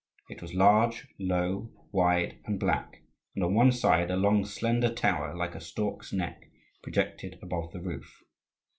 It was large, low, wide, and black; and on one side a long slender tower like a stork's neck projected above the roof.